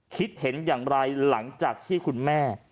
คิดเห็นอย่างไรหลังจากที่คุณแม่